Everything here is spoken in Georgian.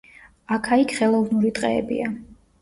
აქა-იქ ხელოვნური ტყეებია.